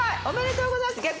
おめでとうございます。